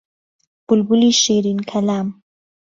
بولبولی شیرین کەلام